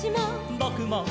「ぼくも」